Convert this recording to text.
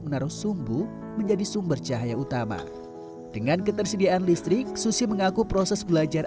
menaruh sumbu menjadi sumber cahaya utama dengan ketersediaan listrik susi mengaku proses belajar